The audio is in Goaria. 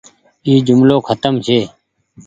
اي جملو کتم ڇي۔